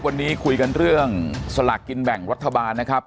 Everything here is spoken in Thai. วันนี้คุยกันเรื่องสลากกินแบ่งรัฐบาลนะครับ